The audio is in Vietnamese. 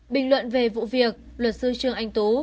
bình luận về vụ việc luật sư trương anh tú